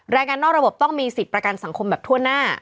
งานนอกระบบต้องมีสิทธิ์ประกันสังคมแบบทั่วหน้า